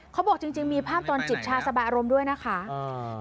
เขาบอกจริงจริงมีภาพตอนจิบชาสบายอารมณ์ด้วยนะคะอ่า